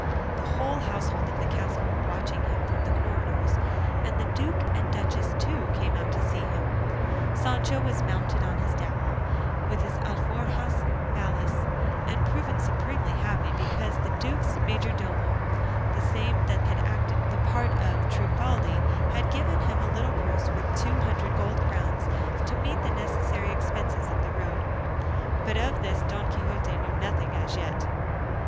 The whole household of the castle were watching him from the corridors, and the duke and duchess, too, came out to see him. Sancho was mounted on his Dapple, with his alforjas, valise, and proven, supremely happy because the duke's majordomo, the same that had acted the part of the Trifaldi, had given him a little purse with two hundred gold crowns to meet the necessary expenses of the road, but of this Don Quixote knew nothing as yet.